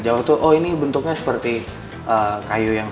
jadi kita harus membuat untuk lebih banyak orang